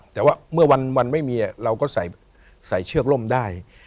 แต่ว่าเมื่อวันไม่มีเราก็ใส่เชือกร่มได้